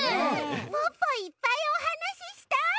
ポッポいっぱいおはなししたい！